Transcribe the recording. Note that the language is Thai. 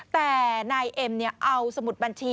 แต่นายเอ็มเอาสมุดบัญชี